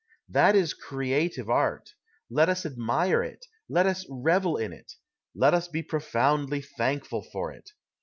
That is " creative " art. Let us admire it. Let us revel in it. Let us be profoundly thankful for it.